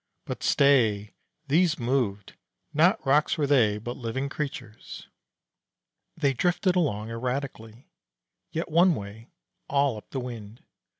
But stay! these moved. Not rocks were they, but living creatures. They drifted along erratically, yet one way, all up the wind.